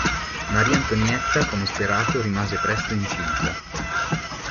Maria Antonietta, come sperato, rimase presto incinta.